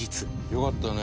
「よかったね。